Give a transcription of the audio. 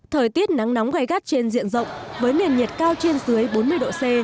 thời tiết nắng nóng gai gắt trên diện rộng với nền nhiệt cao trên dưới bốn mươi độ c